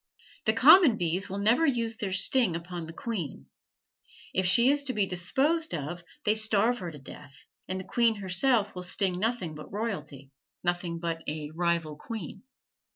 The common bees will never use their sting upon the queen; if she is to be disposed of they starve her to death; and the queen herself will sting nothing but royalty nothing but a rival queen.